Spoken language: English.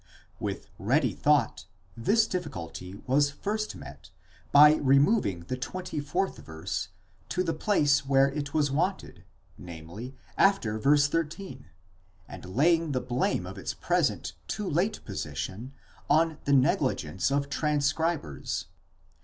With ready thought this difficulty was first met by removing the 24th verse to the place where it was wanted, namely, after v. 13, and laying the blame of its present too late position on the negligence of tran scribers.